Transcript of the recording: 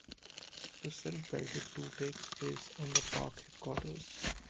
This self-guided tour takes place on the park headquarters.